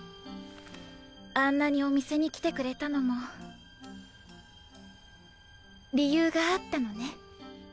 あんなにお店に来てくれたのも理由があったのね。